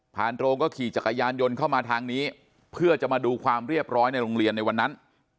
โรงก็ขี่จักรยานยนต์เข้ามาทางนี้เพื่อจะมาดูความเรียบร้อยในโรงเรียนในวันนั้น